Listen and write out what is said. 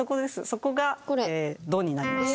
そこが「ド」になります。